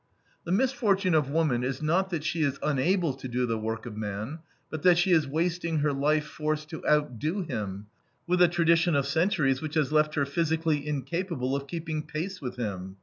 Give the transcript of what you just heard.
The misfortune of woman is not that she is unable to do the work of man, but that she is wasting her life force to outdo him, with a tradition of centuries which has left her physically incapable of keeping pace with him.